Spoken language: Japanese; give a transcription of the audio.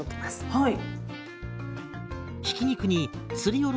はい。